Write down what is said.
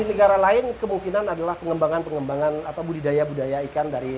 kalau di negara lain kemungkinan adalah pengembangan pengembangan atau budidaya budidaya ikan dan